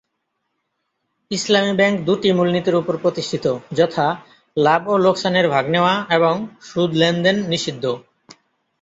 ইসলামি ব্যাংক দুটি মূলনীতির উপর প্রতিষ্টিত; যথাঃ লাভ ও লোকসানের ভাগ নেওয়া এবং সুদ লেনদেন নিষিদ্ধ।